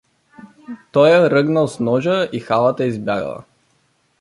Той я ръгнал с ножа и халата избягала.